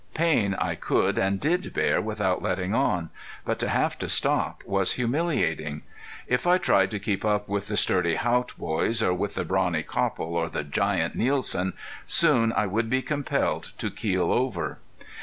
Pain I could and did bear without letting on. But to have to stop was humiliating. If I tried to keep up with the sturdy Haught boys, or with the brawny Copple or the giant Nielsen, soon I would be compelled to keel over.